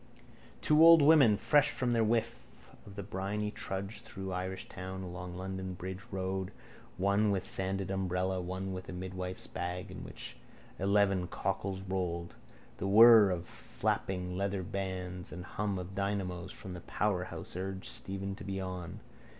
Two old women fresh from their whiff of the briny trudged through Irishtown along London bridge road, one with a sanded tired umbrella, one with a midwife's bag in which eleven cockles rolled. The whirr of flapping leathern bands and hum of dynamos from the powerhouse urged Stephen to be on.